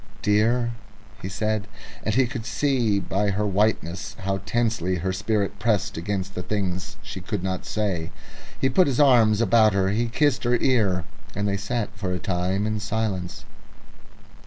"Dear," he said, and he could see by her whiteness how intensely her spirit pressed against the things she could not say. He put his arms about her, he kissed her ear, and they sat for a time in silence.